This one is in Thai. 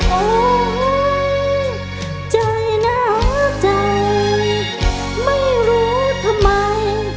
โอ้โหใจน่าใจไม่รู้ทำไม